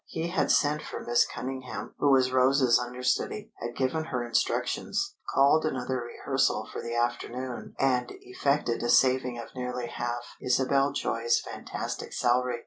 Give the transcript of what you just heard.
He had sent for Miss Cunningham, who was Rose's understudy, had given her instructions, called another rehearsal for the afternoon and effected a saving of nearly half Isabel Joy's fantastic salary.